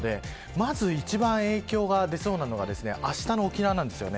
まず一番影響が出そうなのがあしたの沖縄です。